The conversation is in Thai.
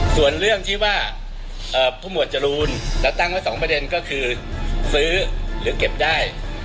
ส่วนเรื่องที่ว่าผู้หมวดจรูนเราตั้งไว้๒ประเด็นก็คือซื้อหรือเก็บได้